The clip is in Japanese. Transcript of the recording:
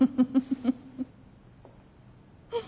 フフフフ。